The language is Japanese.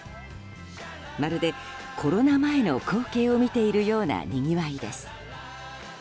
まるでコロナ前の光景を見ているようなにぎわいです。